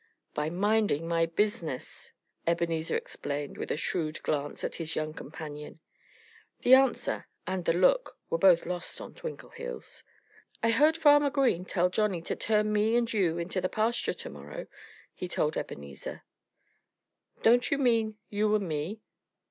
"By minding my business," Ebenezer explained with a shrewd glance at his young companion. The answer and the look were both lost on Twinkleheels. "I heard Farmer Green tell Johnnie to turn me and you into the pasture to morrow," he told Ebenezer. "Don't you mean 'you and me'?"